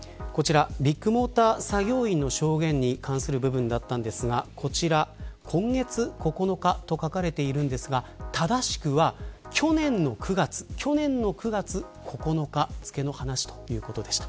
ビッグモーター作業員の証言に関する部分だったんですがこちら、今月９日と書かれているんですが正しくは、去年の９月９日付の話ということでした。